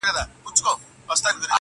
زه څوک لرمه.